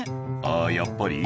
「あやっぱり？」